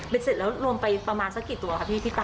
เป็นเสร็จแล้วรวมไปประมาณสักกี่ตัวครับพี่ปั๊ะ